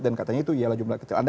dan katanya itu ialah jumlah kecil